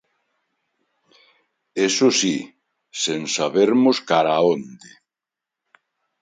Iso si, sen sabermos cara a onde.